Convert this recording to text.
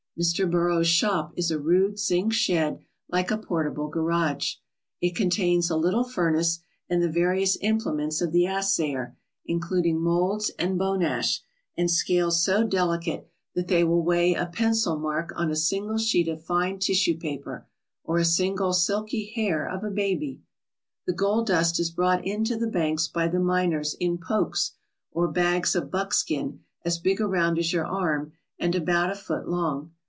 Mr. Beraud's shop is a rude zinc shed like a portable garage. It contains a little furnace and the various implements of the assayer, including moulds and 163 ALASKA OUR NORTHERN WONDERLAND bone ash, and scales so delicate that they will weigh a pencil mark on a single sheet of fine tissue paper or a single silky hair of a baby The gold dust is brought in to the banks by the miners in pokes, or bags of buckskin as big around as your arm and about a foot long.